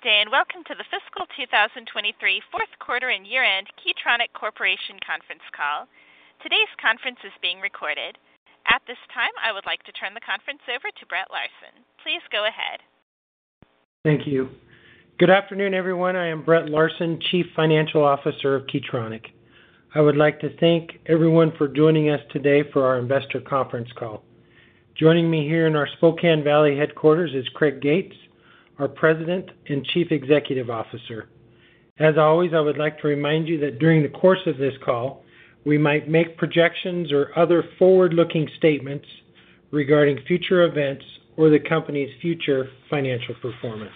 Good day, welcome to the fiscal 2023 fourth quarter and year-end Key Tronic Corporation conference call. Today's conference is being recorded. At this time, I would like to turn the conference over to Brett Larsen. Please go ahead. Thank you. Good afternoon, everyone. I am Brett Larsen, Chief Financial Officer of Key Tronic. I would like to thank everyone for joining us today for our investor conference call. Joining me here in our Spokane Valley headquarters is Craig Gates, our President and Chief Executive Officer. As always, I would like to remind you that during the course of this call, we might make projections or other forward-looking statements regarding future events or the company's future financial performance.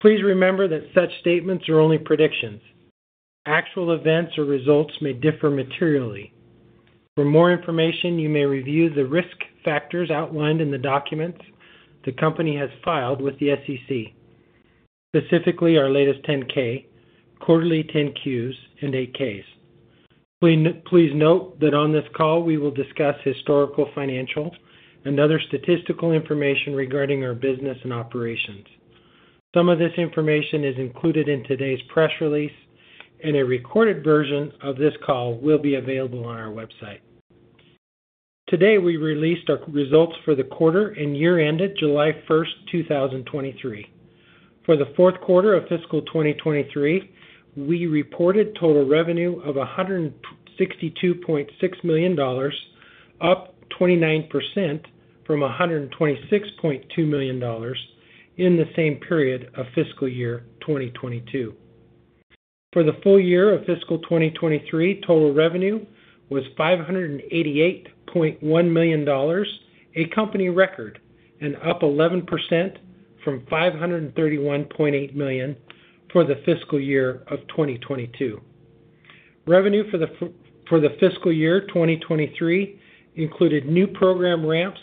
Please remember that such statements are only predictions. Actual events or results may differ materially. For more information, you may review the risk factors outlined in the documents the company has filed with the SEC, specifically our latest 10-K, quarterly 10-Qs, and 8-Ks. Please, please note that on this call, we will discuss historical, financial, and other statistical information regarding our business and operations. Some of this information is included in today's press release, and a recorded version of this call will be available on our website. Today, we released our results for the quarter and year ended July 1st, 2023. For the fourth quarter of fiscal 2023, we reported total revenue of $162.6 million, up 29% from $126.2 million in the same period of fiscal year 2022. For the full year of fiscal 2023, total revenue was $588.1 million, a company record, and up 11% from $531.8 million for the fiscal year of 2022. Revenue for the fiscal year 2023 included new program ramps,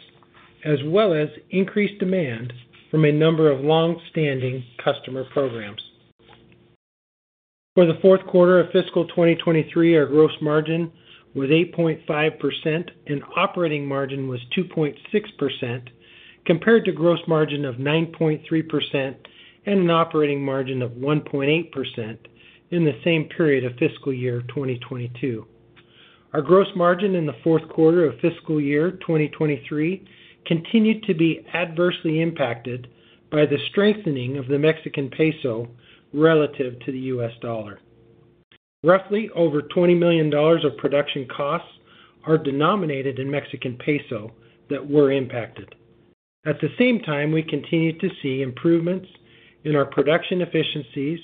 as well as increased demand from a number of long-standing customer programs. For the fourth quarter of fiscal 2023, our gross margin was 8.5% and operating margin was 2.6%, compared to gross margin of 9.3% and an operating margin of 1.8% in the same period of fiscal year 2022. Our gross margin in the fourth quarter of fiscal year 2023 continued to be adversely impacted by the strengthening of the Mexican peso relative to the U.S. dollar. Roughly over $20 million of production costs are denominated in Mexican peso that were impacted. At the same time, we continued to see improvements in our production efficiencies,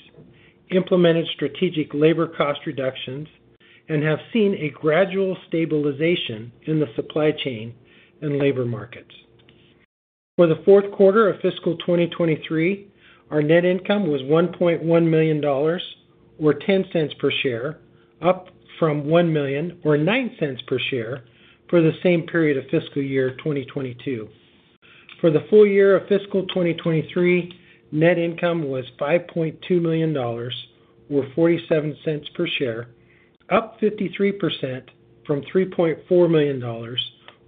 implemented strategic labor cost reductions, and have seen a gradual stabilization in the supply chain and labor markets. For the fourth quarter of fiscal 2023, our net income was $1.1 million, or $0.10 per share, up from $1 million or $0.09 per share for the same period of fiscal year 2022. For the full year of fiscal 2023, net income was $5.2 million, or $0.47 per share, up 53% from $3.4 million,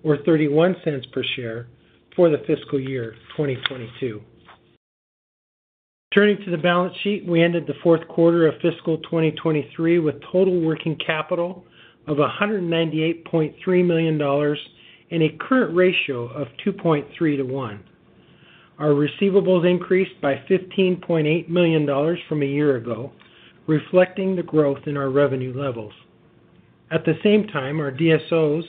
or $0.31 per share for the fiscal year 2022. Turning to the balance sheet, we ended the fourth quarter of fiscal 2023 with total working capital of $198.3 million and a current ratio of 2.3 to 1. Our receivables increased by $15.8 million from a year ago, reflecting the growth in our revenue levels. At the same time, our DSOs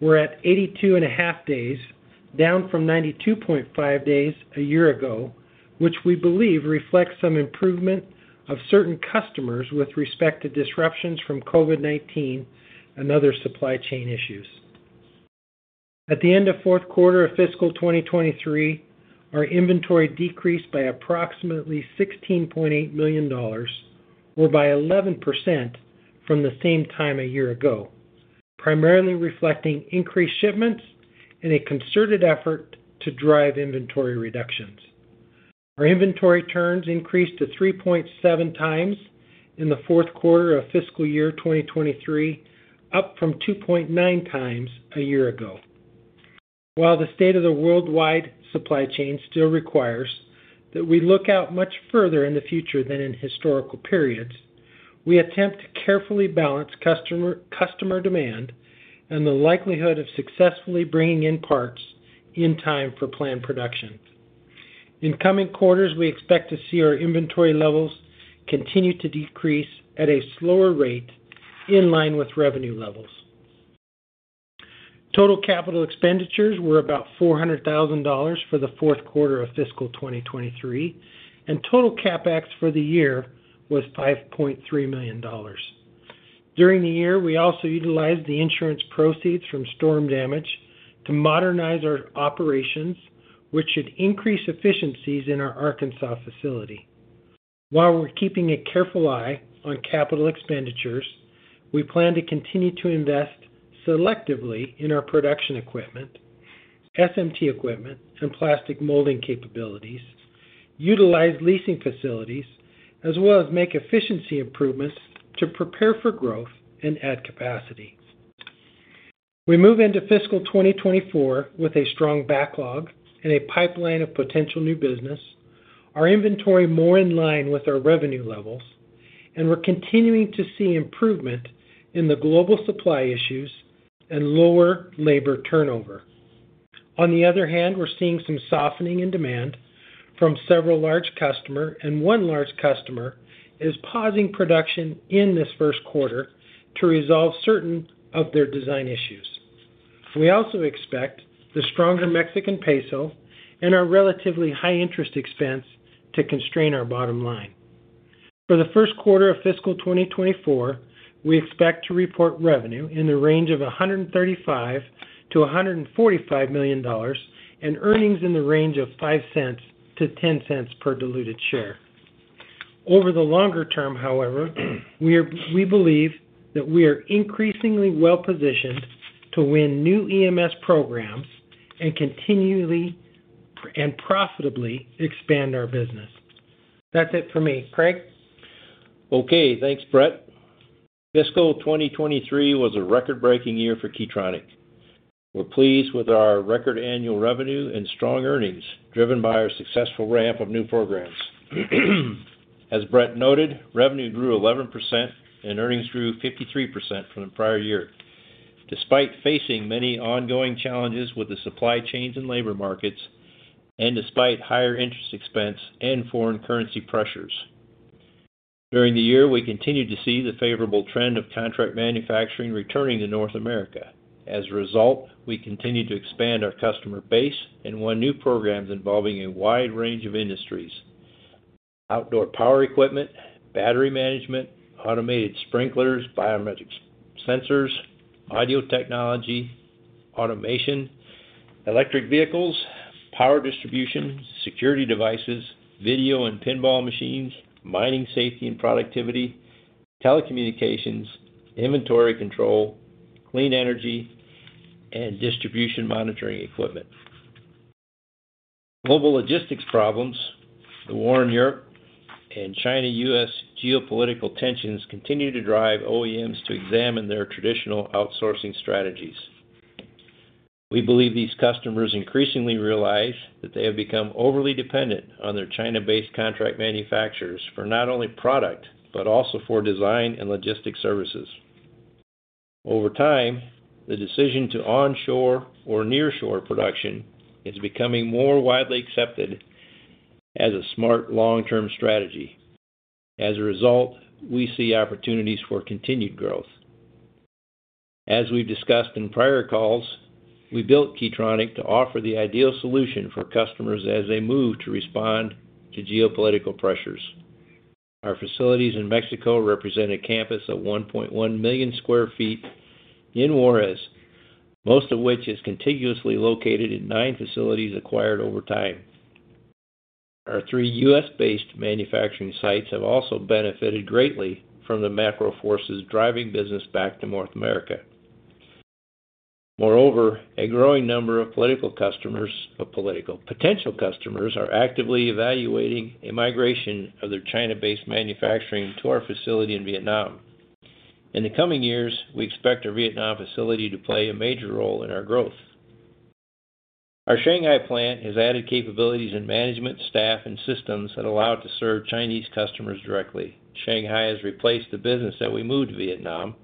were at 82.5 days, down from 92.5 days a year ago, which we believe reflects some improvement of certain customers with respect to disruptions from COVID-19 and other supply chain issues. At the end of fourth quarter of fiscal 2023, our inventory decreased by approximately $16.8 million or by 11% from the same time a year ago, primarily reflecting increased shipments and a concerted effort to drive inventory reductions. Our inventory turns increased to 3.7 times in the fourth quarter of fiscal year 2023, up from 2.9 times a year ago. While the state of the worldwide supply chain still requires that we look out much further in the future than in historical periods, we attempt to carefully balance customer, customer demand and the likelihood of successfully bringing in parts in time for planned production. In coming quarters, we expect to see our inventory levels continue to decrease at a slower rate in line with revenue levels. Total capital expenditures were about $400,000 for the fourth quarter of fiscal 2023, and total CapEx for the year was $5.3 million. During the year, we also utilized the insurance proceeds from storm damage to modernize our operations, which should increase efficiencies in our Arkansas facility. While we're keeping a careful eye on capital expenditures, we plan to continue to invest selectively in our production equipment, SMT equipment, and plastic molding capabilities, utilize leasing facilities, as well as make efficiency improvements to prepare for growth and add capacity. We move into fiscal 2024 with a strong backlog and a pipeline of potential new business, our inventory more in line with our revenue levels, and we're continuing to see improvement in the global supply issues and lower labor turnover. On the other hand, we're seeing some softening in demand from several large customer, and one large customer is pausing production in this first quarter to resolve certain of their design issues. We also expect the stronger Mexican peso and our relatively high-interest expense to constrain our bottom line. For the first quarter of fiscal 2024, we expect to report revenue in the range of $135 million-$145 million, and earnings in the range of $0.05-$0.10 per diluted share. Over the longer term, however, we believe that we are increasingly well-positioned to win new EMS programs, and continually and profitably expand our business. That's it for me. Craig? Okay, thanks, Brett. Fiscal 2023 was a record-breaking year for Key Tronic. We're pleased with our record annual revenue and strong earnings, driven by our successful ramp of new programs. As Brett noted, revenue grew 11% and earnings grew 53% from the prior year, despite facing many ongoing challenges with the supply chains and labor markets, and despite higher interest expense and foreign currency pressures. During the year, we continued to see the favorable trend of contract manufacturing returning to North America. As a result, we continued to expand our customer base and won new programs involving a wide range of industries: outdoor power equipment, battery management, automated sprinklers, biometrics sensors, audio technology, automation, electric vehicles, power distribution, security devices, video and pinball machines, mining safety and productivity, telecommunications, inventory control, clean energy, and distribution monitoring equipment. Global logistics problems, the war in Europe, and China-U.S. geopolitical tensions continue to drive OEMs to examine their traditional outsourcing strategies. We believe these customers increasingly realize that they have become overly dependent on their China-based contract manufacturers, for not only product, but also for design and logistics services. Over time, the decision to onshore or nearshore production is becoming more widely accepted as a smart long-term strategy. As a result, we see opportunities for continued growth. As we've discussed in prior calls, we built Key Tronic to offer the ideal solution for customers as they move to respond to geopolitical pressures. Our facilities in Mexico represent a campus of 1.1 million sq ft in Juarez, most of which is contiguously located in nine facilities acquired over time. Our three U.S.-based manufacturing sites have also benefited greatly from the macro forces driving business back to North America. Moreover, a growing number of political customers, potential customers are actively evaluating a migration of their China-based manufacturing to our facility in Vietnam. In the coming years, we expect our Vietnam facility to play a major role in our growth. Our Shanghai plant has added capabilities in management, staff, and systems that allow it to serve Chinese customers directly. Shanghai has replaced the business that we moved to Vietnam.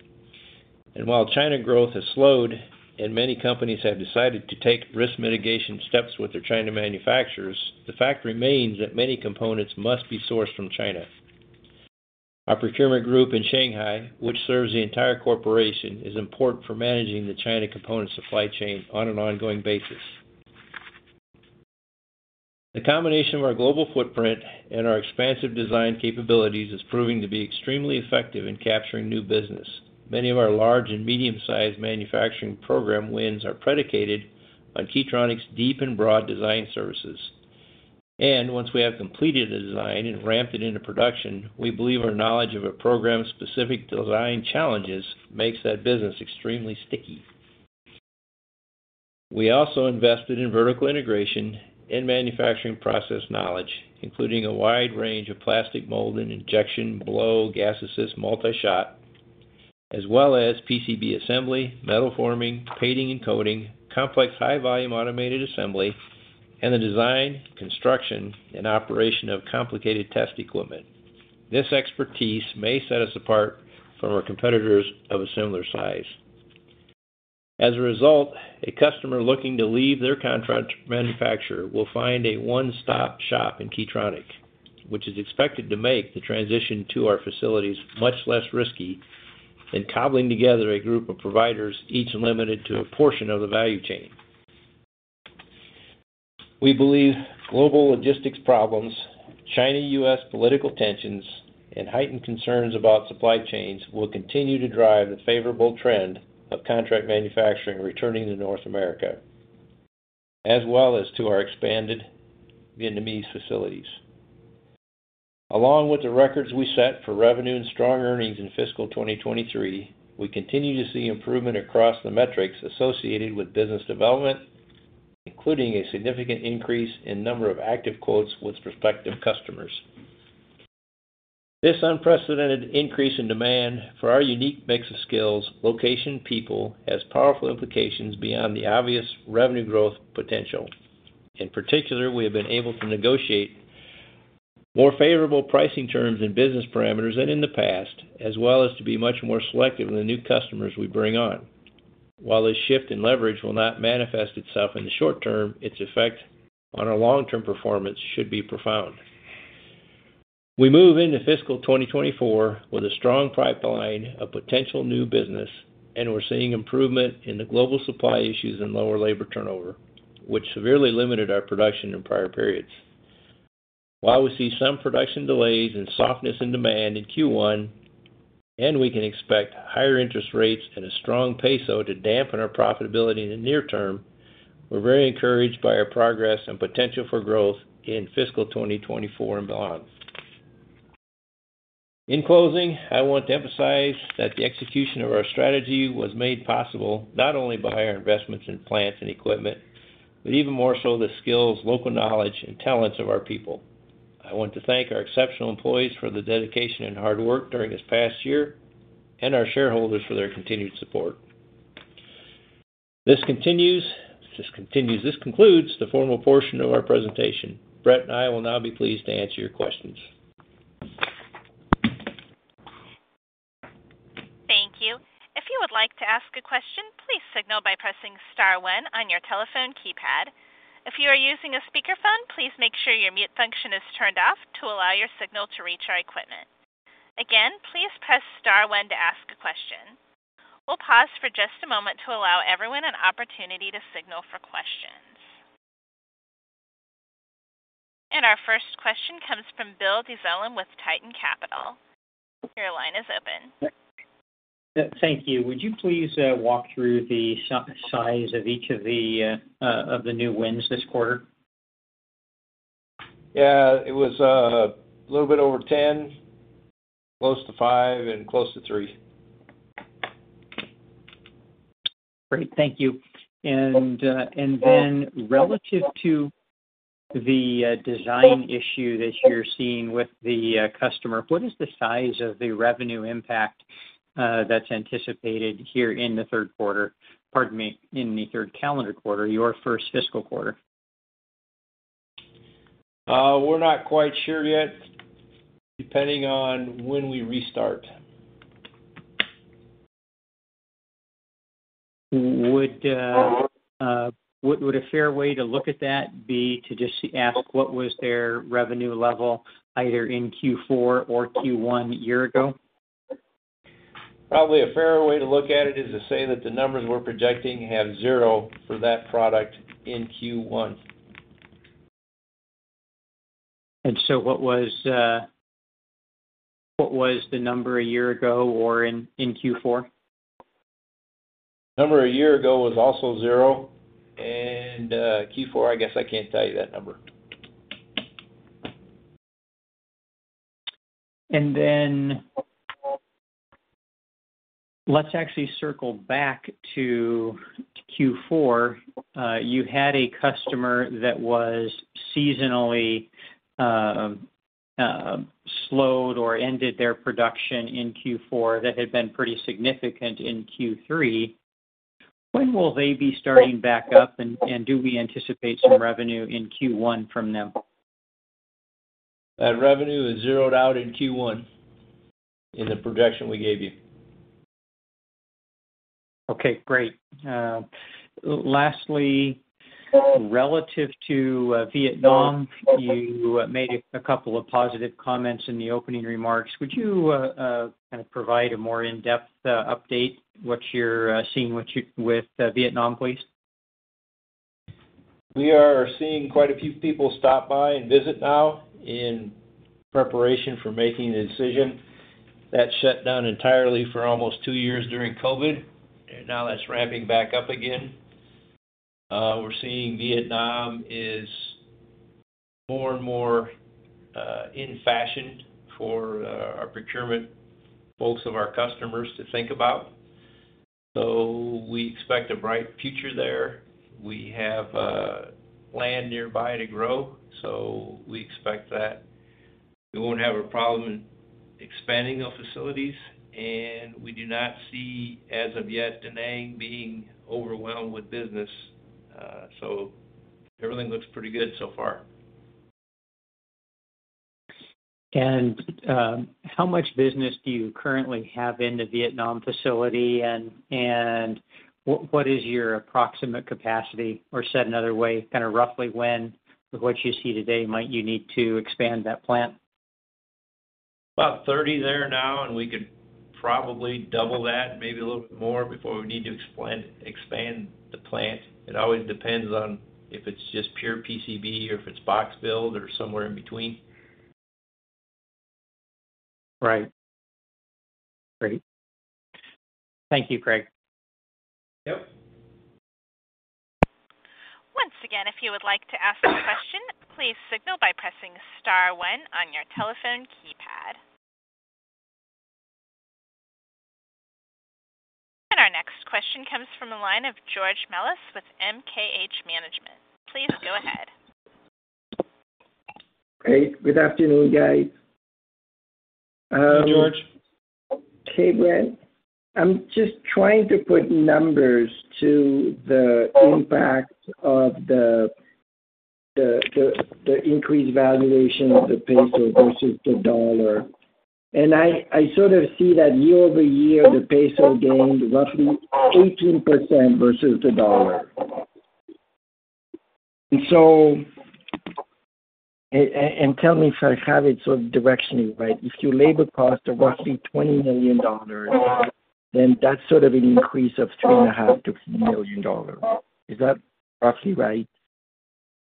While China growth has slowed and many companies have decided to take risk mitigation steps with their China manufacturers, the fact remains that many components must be sourced from China. Our procurement group in Shanghai, which serves the entire corporation, is important for managing the China component supply chain on an ongoing basis. The combination of our global footprint and our expansive design capabilities is proving to be extremely effective in capturing new business. Many of our large and medium-sized manufacturing program wins are predicated on Key Tronic's deep and broad design services. Once we have completed a design and ramped it into production, we believe our knowledge of a program's specific design challenges makes that business extremely sticky. We also invested in vertical integration and manufacturing process knowledge, including a wide range of plastic mold and injection, blow, gas assist, multi-shot, as well as PCB assembly, metal forming, painting and coating, complex high-volume automated assembly, and the design, construction, and operation of complicated test equipment. This expertise may set us apart from our competitors of a similar size. As a result, a customer looking to leave their contract manufacturer will find a one-stop shop in Key Tronic, which is expected to make the transition to our facilities much less risky than cobbling together a group of providers, each limited to a portion of the value chain. We believe global logistics problems, China-U.S. political tensions, and heightened concerns about supply chains will continue to drive the favorable trend of contract manufacturing, returning to North America, as well as to our expanded Vietnamese facilities. Along with the records we set for revenue and strong earnings in fiscal 2023, we continue to see improvement across the metrics associated with business development, including a significant increase in number of active quotes with prospective customers. This unprecedented increase in demand for our unique mix of skills, location, people, has powerful implications beyond the obvious revenue growth potential. In particular, we have been able to negotiate more favorable pricing terms and business parameters than in the past, as well as to be much more selective in the new customers we bring on. While this shift in leverage will not manifest itself in the short term, its effect on our long-term performance should be profound. We move into fiscal 2024 with a strong pipeline of potential new business. We're seeing improvement in the global supply issues and lower labor turnover, which severely limited our production in prior periods. While we see some production delays and softness in demand in Q1, we can expect higher interest rates and a strong peso to dampen our profitability in the near term. We're very encouraged by our progress and potential for growth in fiscal 2024 and beyond. In closing, I want to emphasize that the execution of our strategy was made possible not only by our investments in plant and equipment, but even more so, the skills, local knowledge, and talents of our people. I want to thank our exceptional employees for their dedication and hard work during this past year, and our shareholders for their continued support. This concludes the formal portion of our presentation. Brett and I will now be pleased to answer your questions. Thank you. If you would like to ask a question, please signal by pressing star one on your telephone keypad. If you are using a speakerphone, please make sure your mute function is turned off to allow your signal to reach our equipment. Again, please press star one to ask a question. We'll pause for just a moment to allow everyone an opportunity to signal for questions. Our first question comes from Bill Dezellem with Tieton Capital. Your line is open. Thank you. Would you please walk through the size of each of the new wins this quarter? Yeah, it was, a little bit over 10, close to 5, and close to 3. Great. Thank you. Then relative to the design issue that you're seeing with the customer, what is the size of the revenue impact that's anticipated here in the third quarter? Pardon me, in the third calendar quarter, your first fiscal quarter. We're not quite sure yet, depending on when we restart. Would, would a fair way to look at that be to just ask, what was their revenue level either in Q4 or Q1 a year ago? Probably a fair way to look at it is to say that the numbers we're projecting have 0 for that product in Q1. What was the number a year ago or in, in Q4? Number a year ago was also zero, and Q4, I guess I can't tell you that number. Then let's actually circle back to Q4. You had a customer that was seasonally slowed or ended their production in Q4 that had been pretty significant in Q3. When will they be starting back up, and do we anticipate some revenue in Q1 from them? That revenue is zeroed out in Q1 in the projection we gave you. Okay, great. Lastly, relative to Vietnam, you made a couple of positive comments in the opening remarks. Would you kind of provide a more in-depth update, what you're seeing with Vietnam, please? We are seeing quite a few people stop by and visit now in preparation for making a decision. That shut down entirely for almost two years during COVID-19. Now that's ramping back up again. We're seeing Vietnam is more and more in fashion for our procurement, folks of our customers to think about. We expect a bright future there. We have land nearby to grow. We expect that we won't have a problem in expanding our facilities. We do not see, as of yet, Da Nang being overwhelmed with business. Everything looks pretty good so far. How much business do you currently have in the Vietnam facility? What is your approximate capacity, or said another way, kind of roughly when, with what you see today, might you need to expand that plant? About 30 there now, We could probably double that, maybe a little bit more, before we need to expand, expand the plant. It always depends on if it's just pure PCB or if it's box build or somewhere in between. Right. Great. Thank you, Craig. Yep. Once again, if you would like to ask a question, please signal by pressing star 1 on your telephone keypad. Our next question comes from the line of George Melas with MKH Management. Please go ahead. Hey, good afternoon, guys. Hey, George. Hey, Brett. I'm just trying to put numbers to the impact of the increased valuation of the peso versus the dollar. I, I sort of see that year-over-year, the peso gained roughly 18% versus the dollar. Tell me if I have it sort of directionally right, if your labor costs are roughly $20 million, then that's sort of an increase of $2.5 million-$3 million. Is that roughly right?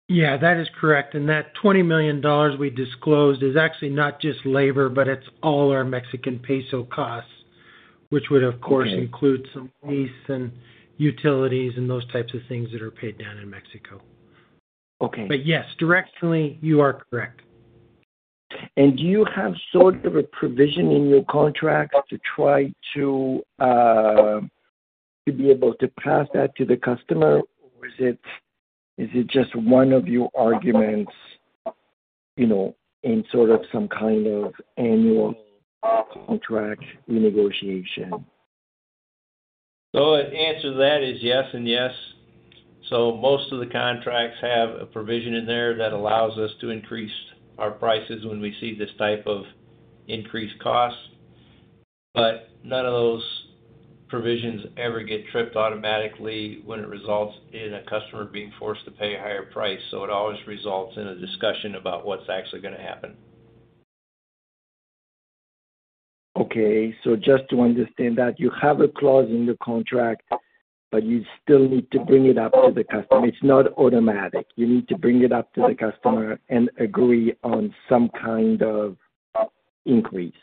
Yeah, that is correct. That $20 million we disclosed is actually not just labor, but it's all our Mexican peso costs, which would, of course- Okay. -include some lease and utilities and those types of things that are paid down in Mexico. Okay. Yes, directionally, you are correct. Do you have sort of a provision in your contract to try to be able to pass that to the customer? Or is it, is it just one of your arguments, you know, in sort of some kind of annual contract renegotiation? The answer to that is yes and yes. Most of the contracts have a provision in there that allows us to increase our prices when we see this type of increased cost. None of those provisions ever get tripped automatically when it results in a customer being forced to pay a higher price. It always results in a discussion about what's actually going to happen. Okay, so just to understand that, you have a clause in your contract, but you still need to bring it up to the customer. It's not automatic. You need to bring it up to the customer and agree on some kind of increase.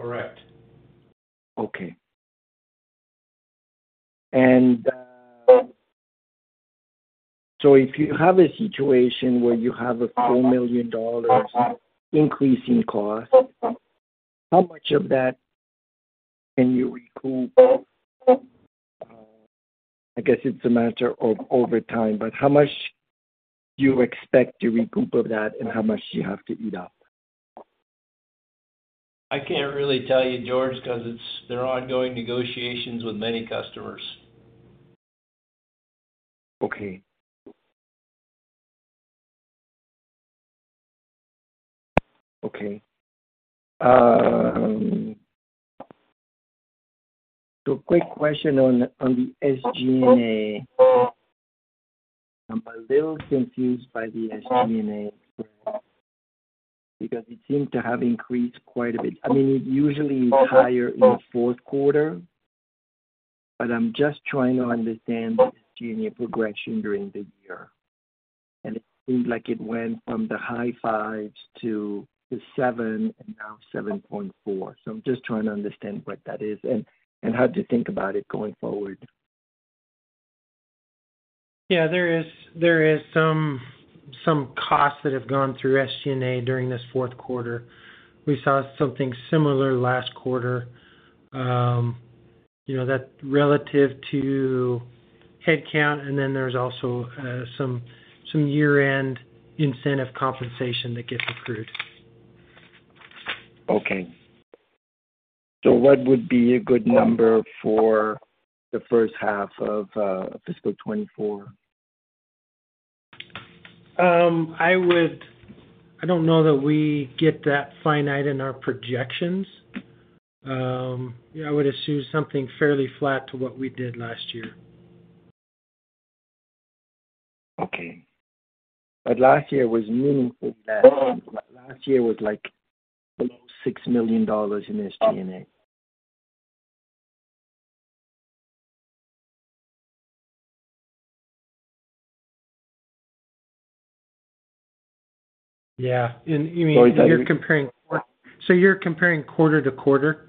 Correct. Okay. If you have a situation where you have a $4 million increase in cost, how much of that can you recoup? I guess it's a matter of over time, but how much do you expect to recoup of that, and how much do you have to eat up? I can't really tell you, George, 'cause it's... there are ongoing negotiations with many customers. Okay. Okay. Quick question on, on the SG&A. I'm a little confused by the SG&A, because it seemed to have increased quite a bit. I mean, it usually is higher in the fourth quarter, but I'm just trying to understand the SG&A progression during the year, and it seemed like it went from the high 5s to the 7 and now 7.4. I'm just trying to understand what that is and, and how to think about it going forward. Yeah, there is, there is some, some costs that have gone through SG&A during this fourth quarter. We saw something similar last quarter, you know, that relative to headcount, and then there's also, some, some year-end incentive compensation that gets accrued. Okay. What would be a good number for the first half of fiscal 2024? I don't know that we get that finite in our projections. I would assume something fairly flat to what we did last year. Okay. Last year was meaningfully less. Last year was, like, below $6 million in SG&A. Yeah. you mean- Sorry, that- You're comparing quarter to quarter?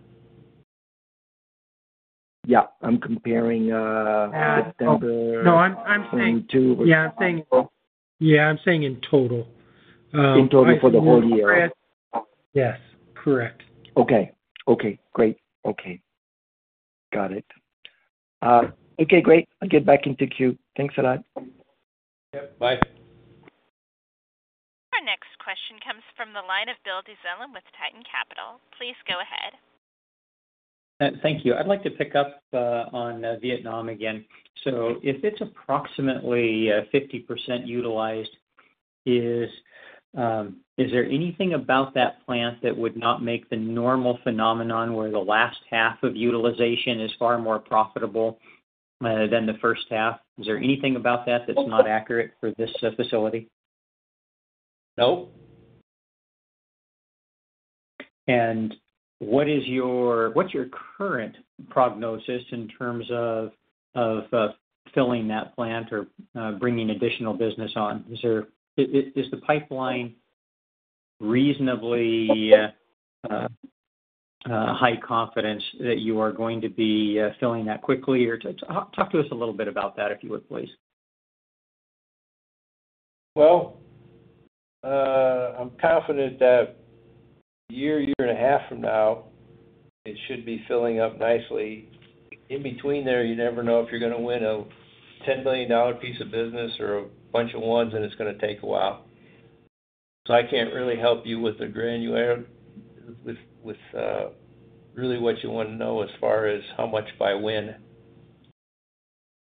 Yeah, I'm comparing, September- No, I'm saying- 22. Yeah, I'm saying... Yeah, I'm saying in total. In total for the whole year. Yes, correct. Okay. Okay, great. Okay. Got it. Okay, great. I'll get back into queue. Thanks a lot. Yep, bye. Our next question comes from the line of Bill Dezellem with Tieton Capital. Please go ahead. Thank you. I'd like to pick up on Vietnam again. If it's approximately 50% utilized, is there anything about that plant that would not make the normal phenomenon where the last half of utilization is far more profitable than the first half? Is there anything about that that's not accurate for this facility? Nope. What's your current prognosis in terms of, of, filling that plant or, bringing additional business on? Is the pipeline reasonably, high confidence that you are going to be, filling that quickly? Just talk, talk to us a little bit about that, if you would, please. Well, I'm confident that a year, year and a half from now, it should be filling up nicely. In between there, you never know if you're gonna win a $10 million piece of business or a bunch of ones, and it's gonna take a while. I can't really help you with the granular, with, with, really what you want to know as far as how much by when.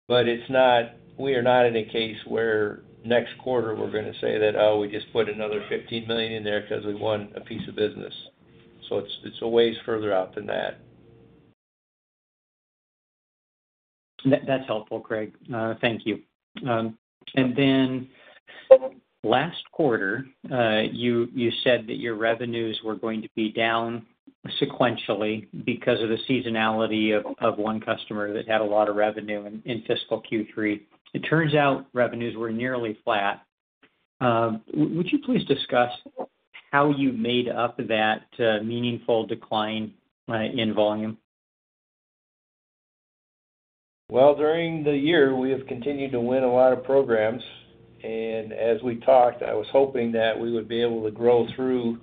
We are not in a case where next quarter we're gonna say that, "Oh, we just put another $15 million in there because we won a piece of business." It's, it's a ways further out than that. That, that's helpful, Craig. Thank you. Then last quarter, you, you said that your revenues were going to be down sequentially because of the seasonality of, of one customer that had a lot of revenue in, in fiscal Q3. It turns out revenues were nearly flat. Would you please discuss how you made up that meaningful decline in volume? Well, during the year, we have continued to win a lot of programs, and as we talked, I was hoping that we would be able to grow through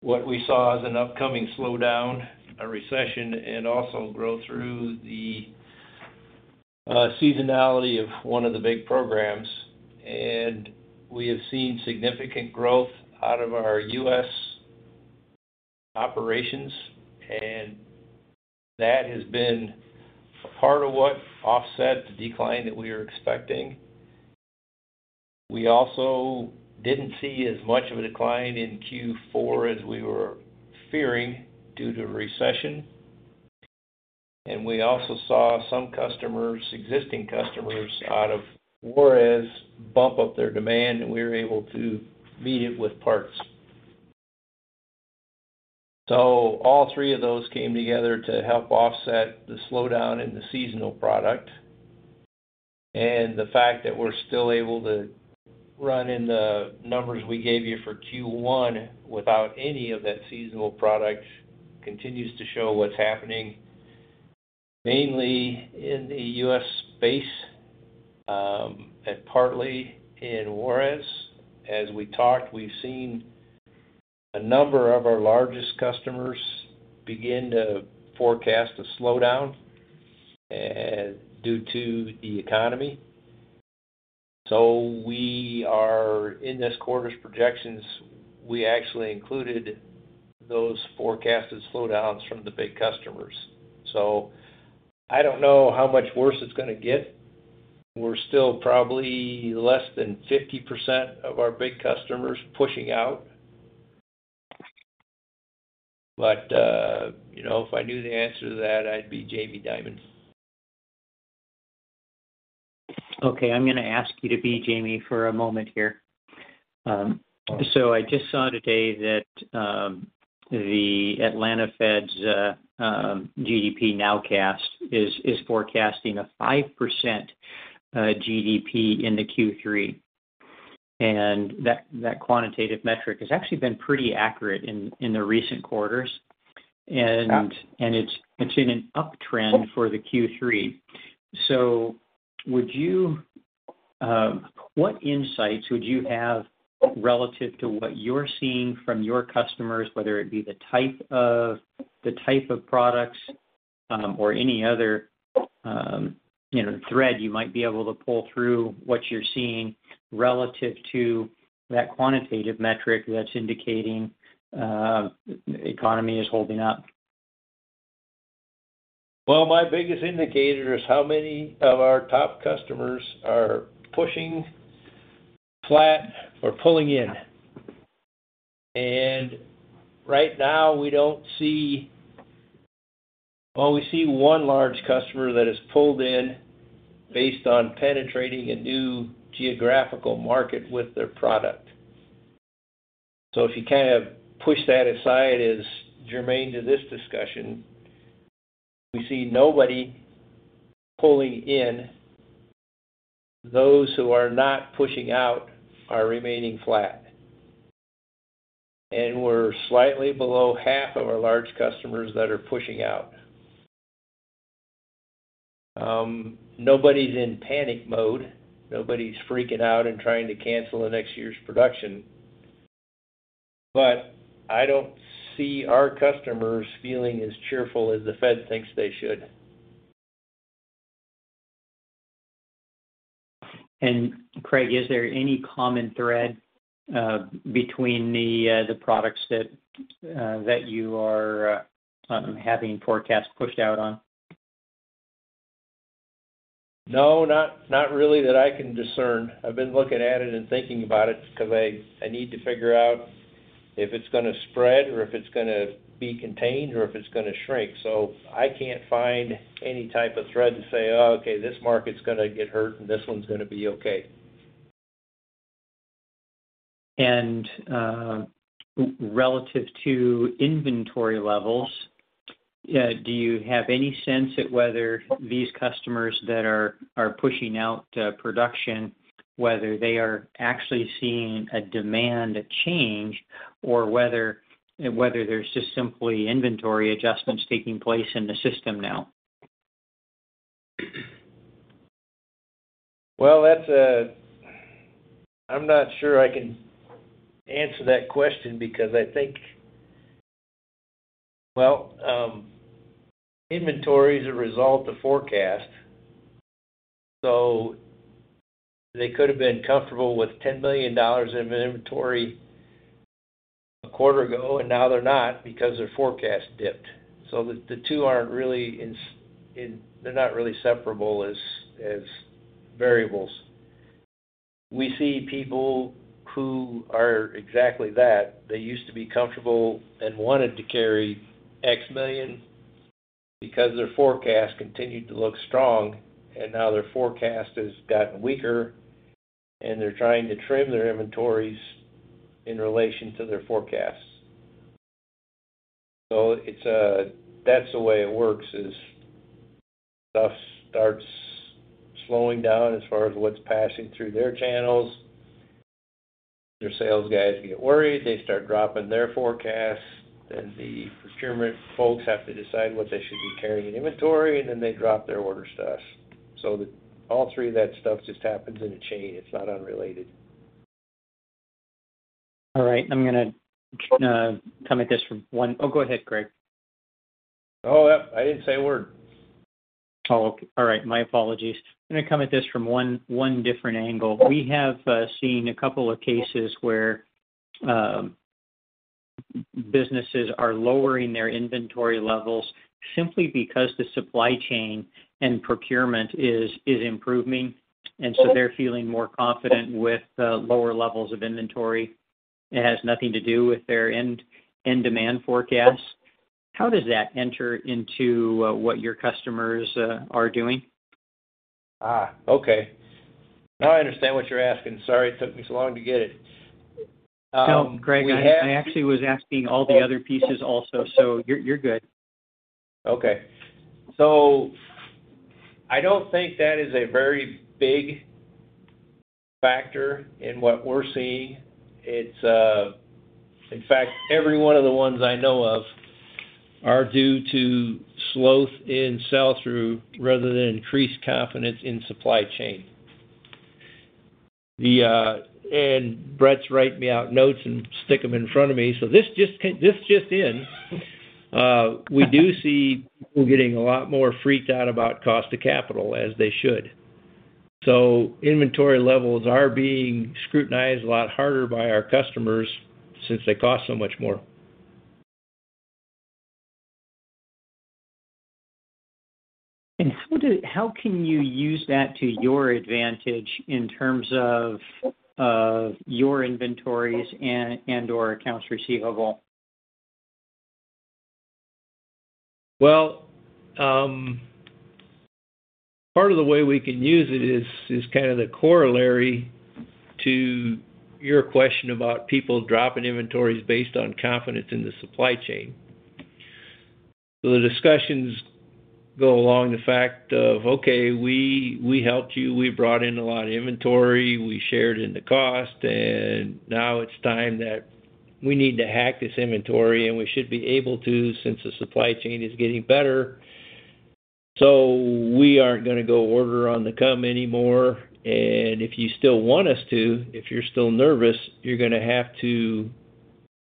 what we saw as an upcoming slowdown, a recession, and also grow through the seasonality of one of the big programs. We have seen significant growth out of our U.S. operations, and that has been a part of what offset the decline that we were expecting. We also didn't see as much of a decline in Q4 as we were fearing due to recession, and we also saw some customers, existing customers, out of Juarez, bump up their demand, and we were able to meet it with parts. All three of those came together to help offset the slowdown in the seasonal product. The fact that we're still able to run in the numbers we gave you for Q1 without any of that seasonal product, continues to show what's happening, mainly in the U.S. space, and partly in Juarez. As we talked, we've seen a number of our largest customers begin to forecast a slowdown due to the economy. We are, in this quarter's projections, we actually included those forecasted slowdowns from the big customers. I don't know how much worse it's gonna get. We're still probably less than 50% of our big customers pushing out. You know, if I knew the answer to that, I'd be Jamie Dimon. Okay, I'm gonna ask you to be Jamie for a moment here. So I just saw today that the Atlanta Fed's GDP Nowcast is forecasting a 5% GDP in the Q3. That, that quantitative metric has actually been pretty accurate in the recent quarters. Yeah. And it's, it's in an uptrend for the Q3. What insights would you have relative to what you're seeing from your customers, whether it be the type of, the type of products, or any other, you know, thread you might be able to pull through what you're seeing relative to that quantitative metric that's indicating the economy is holding up? My biggest indicator is how many of our top customers are pushing flat or pulling in. Right now, we don't see. Well, we see one large customer that has pulled in based on penetrating a new geographical market with their product. If you kind of push that aside, as germane to this discussion, we see nobody pulling in. Those who are not pushing out are remaining flat. We're slightly below half of our large customers that are pushing out. Nobody's in panic mode. Nobody's freaking out and trying to cancel the next year's production. I don't see our customers feeling as cheerful as the Fed thinks they should. Craig, is there any common thread, between the, the products that, that you are, having forecasts pushed out on? No, not, not really that I can discern. I've been looking at it and thinking about it because I, I need to figure out if it's gonna spread or if it's gonna be contained or if it's gonna shrink. I can't find any type of thread to say, "Oh, okay, this market's gonna get hurt, and this one's gonna be okay. Relative to inventory levels, do you have any sense at whether these customers that are, are pushing out production, whether they are actually seeing a demand change or whether, whether there's just simply inventory adjustments taking place in the system now? Well, I'm not sure I can answer that question because I think... Well, inventory is a result of forecast, so they could have been comfortable with $10 billion in inventory a quarter ago, and now they're not because their forecast dipped. The, the two aren't really in, they're not really separable as, as variables. We see people who are exactly that. They used to be comfortable and wanted to carry X million because their forecast continued to look strong, and now their forecast has gotten weaker, and they're trying to trim their inventories in relation to their forecasts. It's, that's the way it works, is stuff starts slowing down as far as what's passing through their channels. Their sales guys get worried, they start dropping their forecasts, then the procurement folks have to decide what they should be carrying in inventory, and then they drop their order stuff. The all three of that stuff just happens in a chain. It's not unrelated. All right, I'm going to come at this from one, Oh, go ahead, Craig. Oh, yep. I didn't say a word. Oh, okay. All right, my apologies. I'm going to come at this from one different angle. We have seen a couple of cases where businesses are lowering their inventory levels simply because the supply chain and procurement is improving, and so they're feeling more confident with the lower levels of inventory. It has nothing to do with their end demand forecasts. How does that enter into what your customers are doing? Ah, okay. Now I understand what you're asking. Sorry, it took me so long to get it. We have- No, Craig, I actually was asking all the other pieces also, so you're, you're good. Okay. I don't think that is a very big factor in what we're seeing. It's. In fact, every one of the ones I know of are due to sloth in sell-through rather than increased confidence in supply chain. Brett's writing me out notes and stick them in front of me. This just in. We do see people getting a lot more freaked out about cost of capital, as they should. Inventory levels are being scrutinized a lot harder by our customers since they cost so much more. How do, how can you use that to your advantage in terms of, of your inventories and, and/or accounts receivable? Well, part of the way we can use it is, is kind of the corollary to your question about people dropping inventories based on confidence in the supply chain. The discussions go along the fact of, okay, we, we helped you, we brought in a lot of inventory, we shared in the cost, and now it's time that we need to hack this inventory, and we should be able to since the supply chain is getting better. We aren't going to go order on the come anymore, and if you still want us to, if you're still nervous, you're going to have to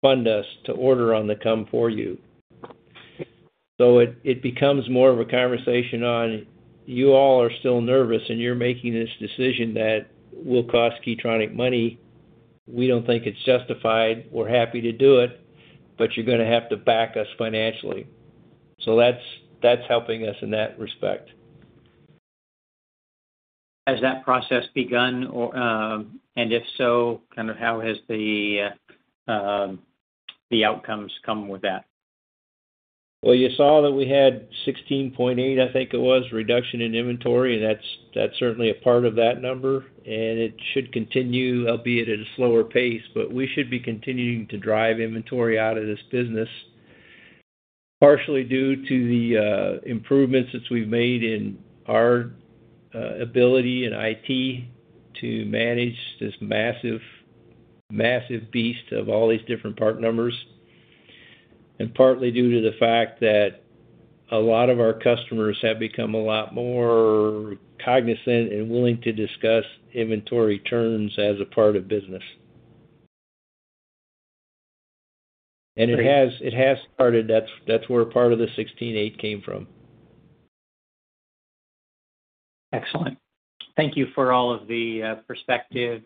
fund us to order on the come for you. It, it becomes more of a conversation on, you all are still nervous, and you're making this decision that will cost Key Tronic money. We don't think it's justified. We're happy to do it. You're going to have to back us financially. That's, that's helping us in that respect. Has that process begun or? If so, kind of how has the, the outcomes come with that? Well, you saw that we had 16.8, I think it was, reduction in inventory, and that's, that's certainly a part of that number. It should continue, albeit at a slower pace, but we should be continuing to drive inventory out of this business, partially due to the improvements that we've made in our ability in IT to manage this massive, massive beast of all these different part numbers, and partly due to the fact that a lot of our customers have become a lot more cognizant and willing to discuss inventory terms as a part of business. It has, it has started. That's, that's where part of the 16.8 came from. Excellent. Thank you for all of the perspective.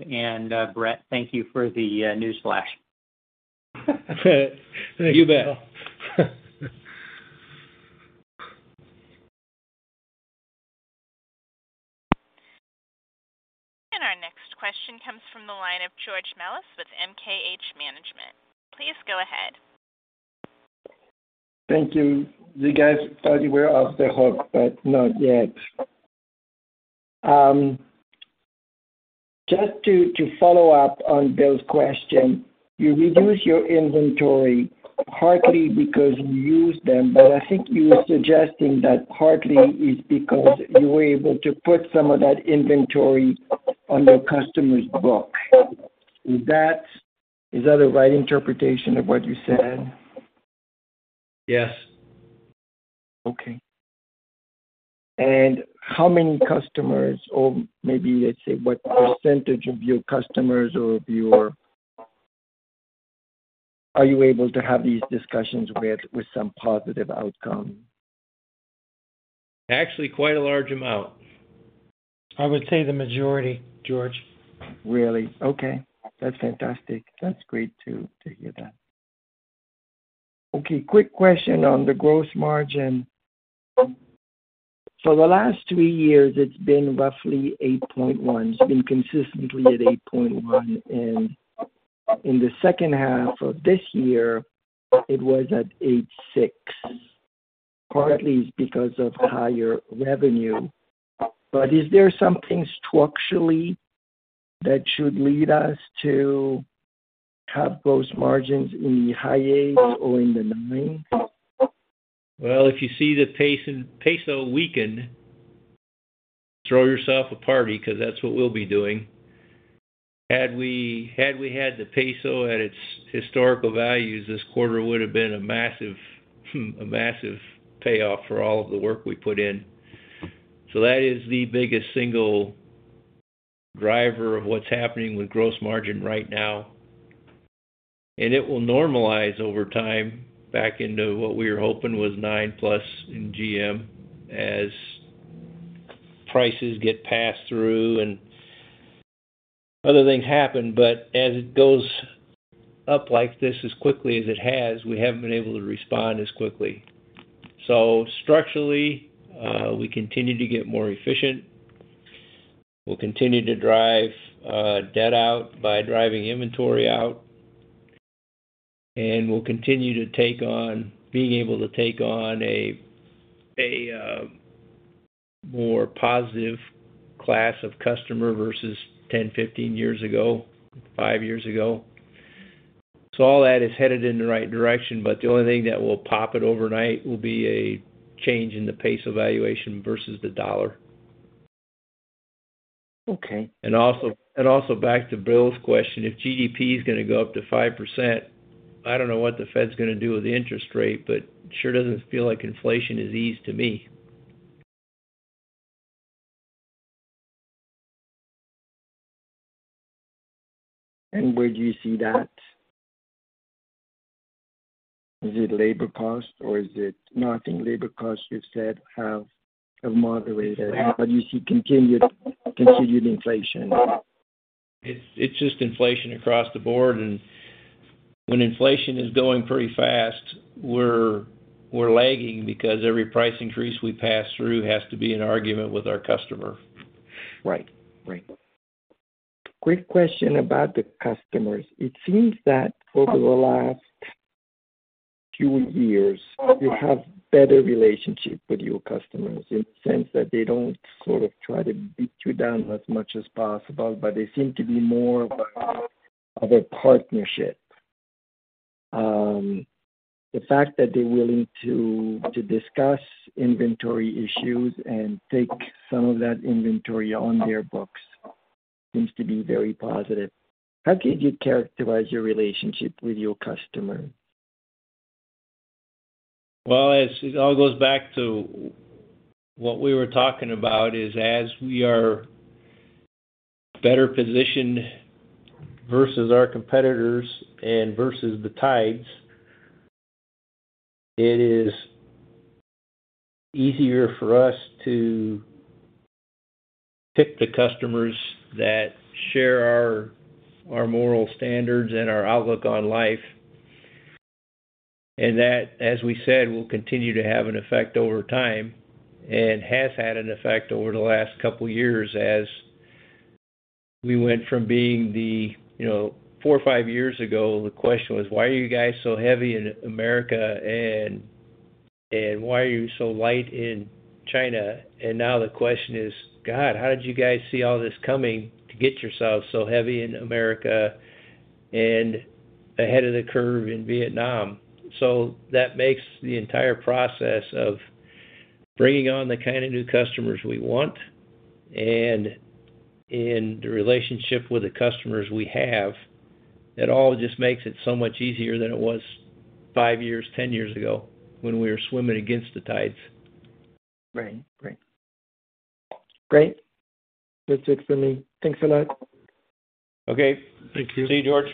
Brett, thank you for the news flash. You bet. Our next question comes from the line of George Melas with MKH Management. Please go ahead. Thank you. You guys thought you were off the hook, but not yet. Just to follow up on Bill's question, you reduced your inventory partly because you used them, but I think you were suggesting that partly it's because you were able to put some of that inventory on your customer's book. Is that a right interpretation of what you said? Yes. Okay. How many customers, or maybe, let's say, what percentage of your customers or of your, are you able to have these discussions with, with some positive outcome? Actually, quite a large amount. I would say the majority, George. Really? Okay, that's fantastic. That's great to hear that. Okay, quick question on the gross margin. For the last three years, it's been roughly 8.1%. It's been consistently at 8.1%, and in the second half of this year, it was at 8.6%, partly because of higher revenue. Is there something structurally that should lead us to have gross margins in the high eight or in the 9%? Well, if you see the peso weaken, throw yourself a party, 'cause that's what we'll be doing. Had we, had we had the peso at its historical values, this quarter would have been a massive, a massive payoff for all of the work we put in. That is the biggest single driver of what's happening with gross margin right now, and it will normalize over time back into what we were hoping was 9+ in GM as prices get passed through and other things happen. As it goes up like this, as quickly as it has, we haven't been able to respond as quickly. Structurally, we continue to get more efficient. We'll continue to drive, debt out by driving inventory out, and we'll continue to take on, being able to take on a more positive class of customer versus 10, 15 years ago, five years ago. So all that is headed in the right direction, but the only thing that will pop it overnight will be a change in the peso valuation versus the dollar. Okay. Back to Bill's question, if GDP is going to go up to 5%, I don't know what the Fed's going to do with the interest rate, but it sure doesn't feel like inflation has eased to me. Where do you see that? Is it labor cost, or is it? No, I think labor costs, you've said, have moderated. You see continued inflation. It's, it's just inflation across the board. When inflation is going pretty fast, we're, we're lagging because every price increase we pass through has to be an argument with our customer. Right. Right. Quick question about the customers. It seems that over the last few years, you have better relationships with your customers in the sense that they don't sort of try to beat you down as much as possible, but they seem to be more of a, of a partnership. The fact that they're willing to, to discuss inventory issues and take some of that inventory on their books seems to be very positive. How could you characterize your relationship with your customers? Well, as it all goes back to what we were talking about is, as we are better positioned versus our competitors and versus the tides, it is easier for us to pick the customers that share our, our moral standards and our outlook on life. That, as we said, will continue to have an effect over time and has had an effect over the last couple of years as we went from being the, you know, four or five years ago, the question was, "Why are you guys so heavy in America, and why are you so light in China?" Now the question is, "God, how did you guys see all this coming to get yourselves so heavy in America and ahead of the curve in Vietnam?" That makes the entire process of bringing on the kind of new customers we want and in the relationship with the customers we have, it all just makes it so much easier than it was five years, 10 years ago, when we were swimming against the tides. Right. Great. Great. That's it for me. Thanks a lot. Okay. Thank you. See you, George.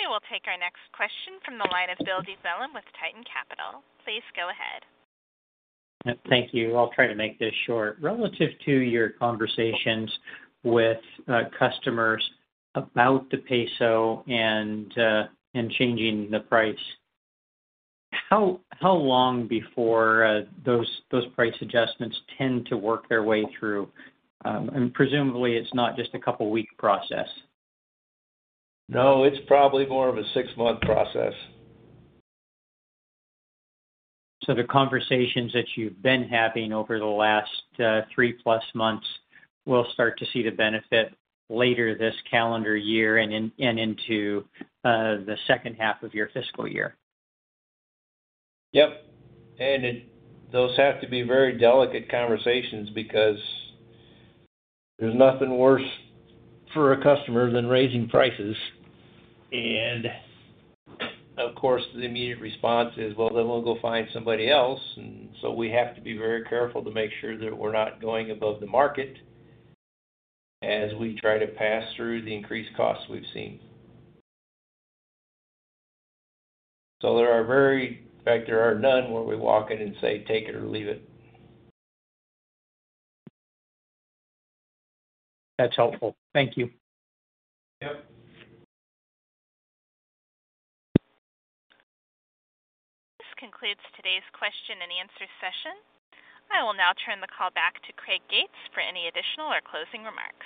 We will take our next question from the line of Bill Dezellem with Tieton Capital. Please go ahead. Thank you. I'll try to make this short. Relative to your conversations with customers about the peso and changing the price, how, how long before those, those price adjustments tend to work their way through? Presumably, it's not just a couple week process. No, it's probably more of a six-month process. The conversations that you've been having over the last three-plus months will start to see the benefit later this calendar year and into the 2nd half of your fiscal year? Yep. Those have to be very delicate conversations because there's nothing worse for a customer than raising prices. Of course, the immediate response is, "Well, then we'll go find somebody else." We have to be very careful to make sure that we're not going above the market as we try to pass through the increased costs we've seen. There are very, in fact, there are none, where we walk in and say, "Take it or leave it. That's helpful. Thank you. Yep. This concludes today's question and answer session. I will now turn the call back to Craig Gates for any additional or closing remarks.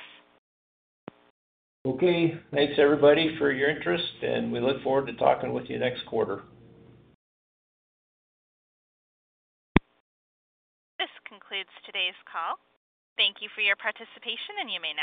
Okay. Thanks, everybody, for your interest. We look forward to talking with you next quarter. This concludes today's call. Thank you for your participation, and you may now disconnect.